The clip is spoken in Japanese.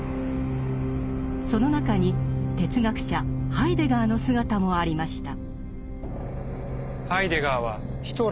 その中に哲学者ハイデガーの姿もありました。